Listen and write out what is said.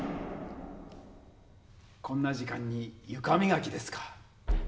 こんな時間にゆかみがきですか？